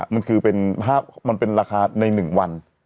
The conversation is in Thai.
มันคือเป็นภาพมันเป็นราคาในหนึ่งวัน